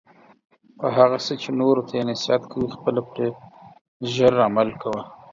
په هغه څه چې نورو ته یی نصیحت کوي خپله پری زر عمل کوه